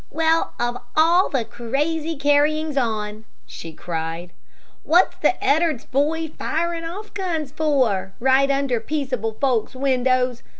"Well, of all the crazy carryings on!" she cried. "What's the Ed'ards boy firin' off guns for, right under peaceable folks' windows?